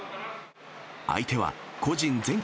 相手は個人全国